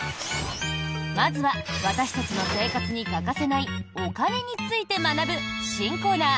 まずは私たちの生活に欠かせないお金について学ぶ新コーナー